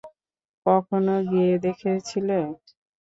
কখনো গেয়ে দেখেছিলে?